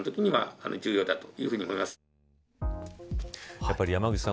やっぱり山口さん